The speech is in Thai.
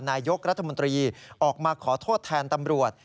นายกรัฐมนตรีออกมาขอโทษแทนตำรวจ